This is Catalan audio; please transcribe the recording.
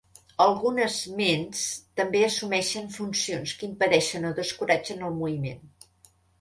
Algunes Ments també assumeixen funcions que impedeixen o descoratgen el moviment.